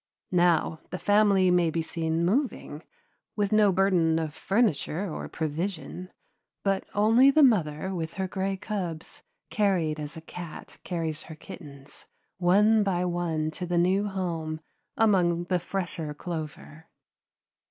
Now, the family may be seen moving, with no burden of furniture or provision, but only the mother with her gray cubs, carried as a cat carries her kittens, one by one to the new home among the fresher clover.